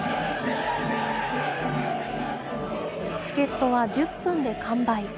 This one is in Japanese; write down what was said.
チケットは１０分で完売。